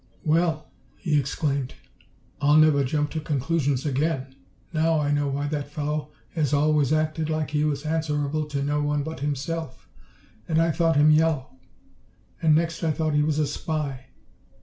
"Well!" he exclaimed. "I'll never jump to conclusions again. Now I know why that fellow has always acted like he was answerable to no one but himself. And I thought him yellow! And next I thought he was a spy.